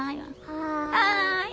はい。